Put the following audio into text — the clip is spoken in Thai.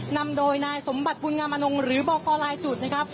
นำโดยนายสมบัติบุญงามอนงหรือบอกกรลายจุดนะครับ